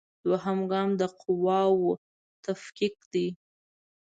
دوهم ګام د قواوو تفکیک دی.